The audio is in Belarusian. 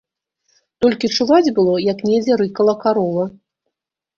Толькі чуваць было, як недзе рыкала карова.